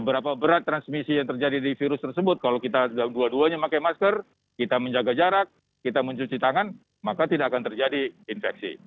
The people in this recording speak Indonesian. seberapa berat transmisi yang terjadi di virus tersebut kalau kita dua duanya pakai masker kita menjaga jarak kita mencuci tangan maka tidak akan terjadi infeksi